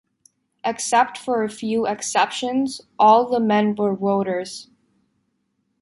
Except for a few exceptions, all the men were voters.